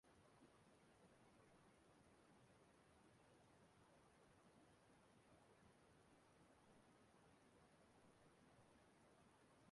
ma bụụkwa nke ọkụ ọgbụgba ahụ malitere na ya n'elekere iri nke abalị ụbọchị Tuzdee